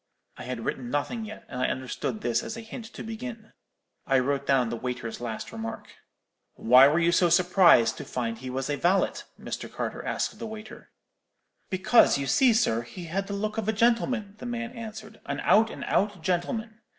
"'I had written nothing yet, and I understood this as a hint to begin. I wrote down the waiter's last remark. "'Why were you so surprised to find he was a valet?' Mr. Carter asked of the waiter. "'Because, you see, sir, he had the look of a gentleman,' the man answered; 'an out and out gentleman.